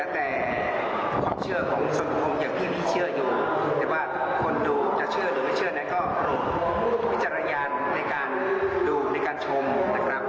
แต่ความเชื่อของสังคมอย่างที่พี่เชื่ออยู่แต่ว่าคนดูจะเชื่อหรือไม่เชื่อนั้นก็โปรดวิจารณญาณในการดูในการชมนะครับ